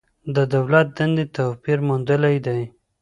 د دولت دندې توپیر موندلی دی.